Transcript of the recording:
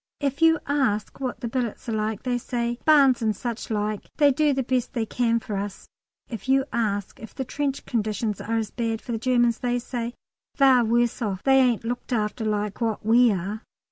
If you ask what the billets are like, they say, "Barns and suchlike; they do the best they can for us." If you ask if the trench conditions are as bad for the Germans, they say, "They're worse off; they ain't looked after like what we are."